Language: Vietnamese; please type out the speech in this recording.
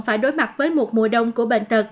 phải đối mặt với một mùa đông của bệnh tật